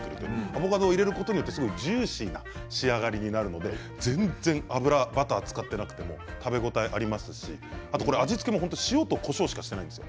アボカドを入れることによってジューシーな仕上がりになるので全然油、バターを使っていなくても食べ応えがありますし味付けも塩と、こしょうしかしていないんです。